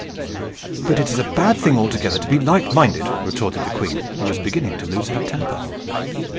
"But it is a bad thing altogether to be light minded," retorted the queen, who was beginning to lose her temper.